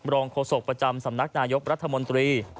โฆษกประจำสำนักนายกรัฐมนตรี